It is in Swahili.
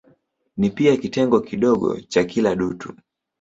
Ni pia kitengo kidogo cha kila dutu.